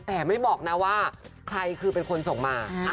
แต่ไม่บอกนะว่าใครคือเป็นคนส่งมา